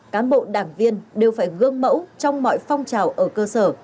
cán bộ đảng viên đều phải gương mẫu trong mọi phong trào ở cơ sở